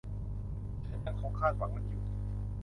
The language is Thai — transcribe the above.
ฉันยังคงคาดหวังมันอยู่